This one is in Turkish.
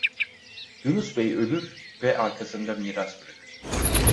Yunus bey ölür ve arkasında miras bırakır.